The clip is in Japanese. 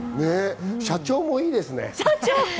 社長もいいですね。